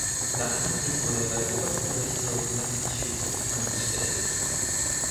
Nach dem Krieg wurde er beim Obersten Gerichtshof von Massachusetts angestellt.